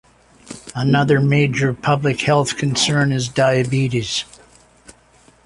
Another major public health concern is diabetes.